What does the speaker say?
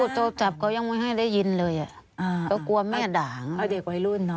โตโตจับเขายังไม่ให้ได้ยินเลยอ่ะก็กลัวไม่ด่างเอาเด็กไว้รุ่นน้อง